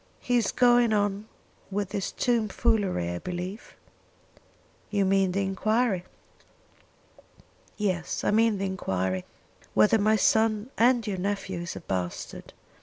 "He is going on with this tom foolery, I believe?" "You mean the enquiry?" "Yes; I mean the enquiry whether my son and your nephew is a bastard.